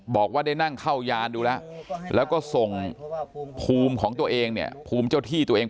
บอกว่าได้นั่งเข้ายานดูแล้วแล้วก็ส่งภูมิของตัวเองเนี่ยภูมิเจ้าที่ตัวเอง